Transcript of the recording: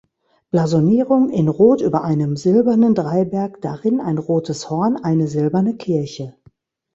Blasonierung: "In Rot über einem silbernen Dreiberg, darin ein rotes Horn, eine silberne Kirche.